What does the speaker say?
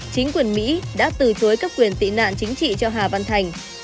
chính quyền mỹ đã từ chối cấp quyền tị nạn chính trị cho hà văn thành